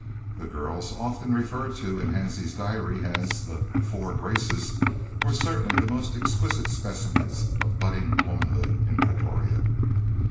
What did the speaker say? The girls, often referred to in Hansie's diary as the "Four Graces," were certainly the most exquisite specimens of budding womanhood in Pretoria.